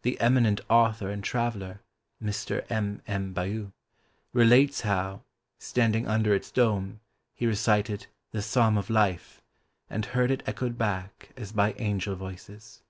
The eminent author and traveller, Mr. M. M. Ballou, relates how, standing under its dome, he recited " The Psalm of Life," and heard it echoed back as by angel voices.